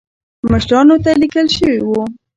مشرانو ته لیکل شوي وو.